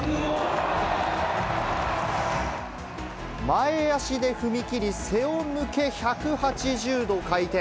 前足で踏み切り、背を向け１８０度回転。